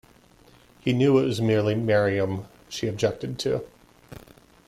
He knew it was merely Miriam she objected to.